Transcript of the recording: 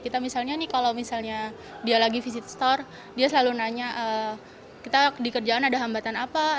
kita misalnya nih kalau misalnya dia lagi visit store dia selalu nanya kita dikerjaan ada hambatan apa